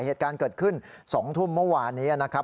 เหตุการณ์เกิดขึ้น๒ทุ่มเมื่อวานนี้นะครับ